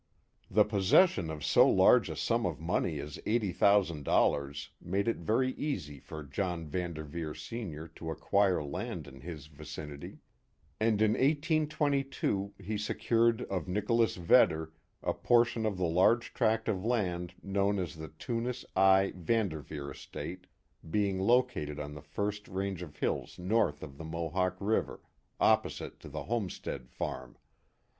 The possession of so large a sum of money as eighty thousand dollars made it very easy for John Van Derveer, Sr. to acquire land in his vicinity, and in 1822 he secured of Nicholas Vedder a portion of the large tract of land known as the Tunis I. Van Derveer estate, being located on the first range of hills north of the Mohawk River, opposite to the homestead farm.